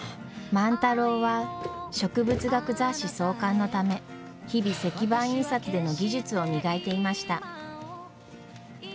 万太郎は植物学雑誌創刊のため日々石版印刷での技術を磨いていました。